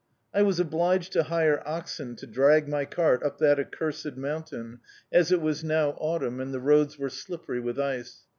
I was obliged to hire oxen to drag my cart up that accursed mountain, as it was now autumn and the roads were slippery with ice.